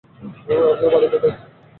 আপনার বাড়ি কোথায়?